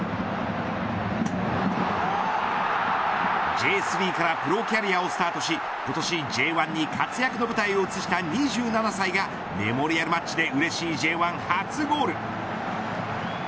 Ｊ３からプロキャリアをスタートし今年Ｊ１に活躍の舞台を移した２７歳がメモリアルマッチでうれしいＪ１初ゴール。